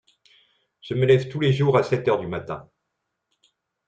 Je me lève tous les jours à sept heures du matin.